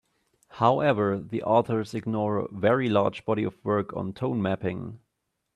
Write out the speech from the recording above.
However, the authors ignore a very large body of work on tone mapping.